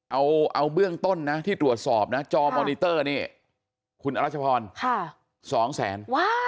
เอาเบื้องต้นนะที่ตรวจสอบนะจอมอนิเตอร์นี่คุณอรัชพร๒แสน